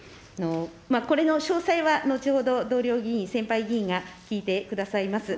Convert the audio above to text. これの詳細は後ほど、同僚議員、先輩議員が聞いてくださいます。